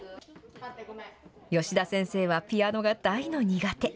吉田先生はピアノが大の苦手。